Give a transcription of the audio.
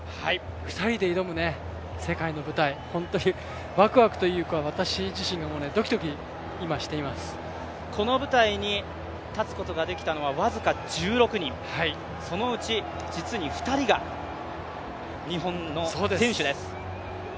２人で挑む世界の舞台、本当にワクワクというか私自身がこの舞台に立つことができたのが僅か１６人、そのうち実に２人が日本の選手です。